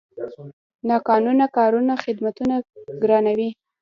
ناقانونه کورونه خدمتونه ګرانوي.